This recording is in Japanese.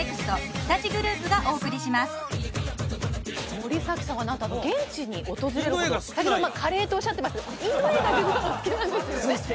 森崎さんはなんと現地に訪れることもカレーとおっしゃってましたけどインド映画見るの好きなんですよね？